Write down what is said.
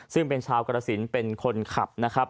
ซึ่งเป็นชาวกรสินเป็นคนขับนะครับ